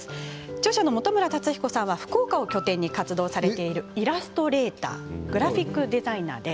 著者のモトムラタツヒコさんは福岡を拠点に活動されているイラストレーターグラフィックデザイナーです。